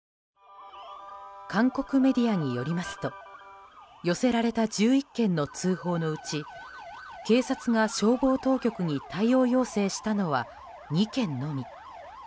韓国メディアによりますと寄せられた１１件の通報のうち警察が消防当局に対応要請したのは２件のみ。